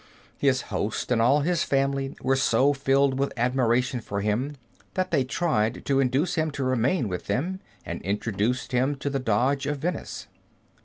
His host and all his family were so filled with admiration for him that they tried to induce him to remain with them, and introduced him to the Doge of Venice.